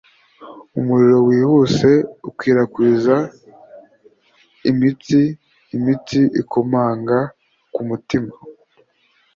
Umuriro wihuse ukwirakwiza imitsi imitsi ikomanga ku mutima